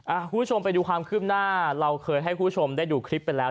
คุณผู้ชมไปดูความคืบหน้าเราเคยให้คุณผู้ชมได้ดูคลิปไปแล้ว